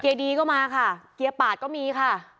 ดีก็มาค่ะเกียร์ปาดก็มีค่ะ